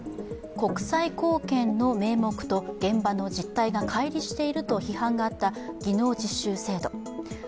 国際貢献の名目と現場の実態がかい離していると批判があった技能実習制度。